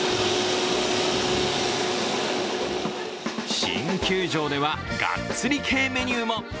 新球場ではがっつり系メニューも。